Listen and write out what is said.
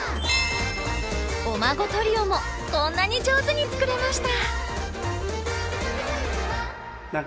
お孫トリオもこんなに上手に作れました！